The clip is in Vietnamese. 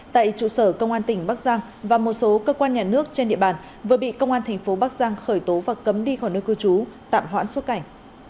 tại trụ sở công an tỉnh bắc giang và một số cơ quan nhà nước trên địa bàn vừa bị công an thành phố bắc giang khởi tố và cấm đi khỏi nơi cư trú tạm hoãn xuất cảnh